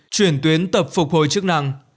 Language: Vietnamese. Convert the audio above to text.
chuyển tuyến tập phục hồi chức năng